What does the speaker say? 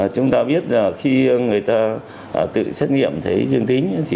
chúng ta biết là khi người ta tự xét nghiệm thấy dương tính